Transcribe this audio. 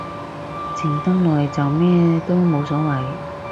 靜得耐就咩都冇所謂